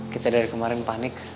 kita dari kemarin panik